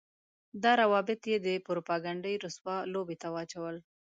دا روابط يې د پروپاګنډۍ رسوا لوبې ته واچول.